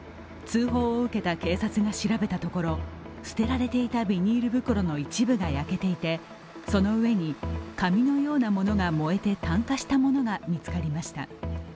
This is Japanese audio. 通報を受けた警察が調べたところ捨てられていたビニール袋の一部が焼けていてその上に紙のようなものが燃えて炭化したものが見つかりました。